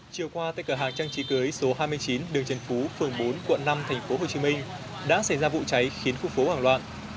chiều qua tại cửa hàng trang trí cưới số hai mươi chín đường trần phú phường bốn quận năm tp hcm đã xảy ra vụ cháy khiến khu phố hoảng loạn